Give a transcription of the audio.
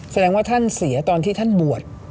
แสดงว่าท่านเสียตอนที่ท่านบวช